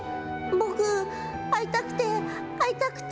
僕、会いたくて、会いたくて。